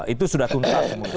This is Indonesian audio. itu sudah tuntas